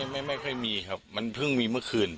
ไม่ค่อยมีครับมันเพิ่งมีเมื่อคืน